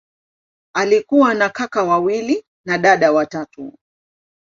Alikuwa na kaka wawili na dada watatu.